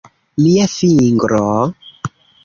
Mia fingro...